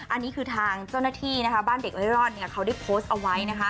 อันนี้คือทางเจ้าหน้าที่บ้านเด็กไอรอดเขาได้โพสต์เอาไว้